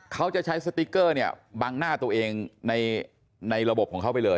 เขาจะใช้สติ๊กเกอร์เนี่ยบังหน้าตัวเองในระบบของเขาไปเลย